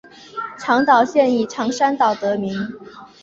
长岛县以长山岛得名。